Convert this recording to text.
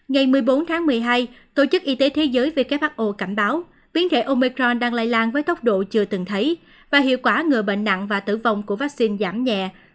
ngày một mươi bốn tháng một mươi hai tổ chức y tế thế giới who cảnh báo biến thể omecron đang lây lan với tốc độ chưa từng thấy và hiệu quả ngừa bệnh nặng và tử vong của vaccine giảm nhẹ